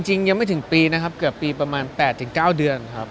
จริงยังไม่ถึงปีนะครับเกือบปีประมาณ๘๙เดือนครับ